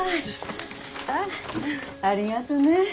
あありがとね。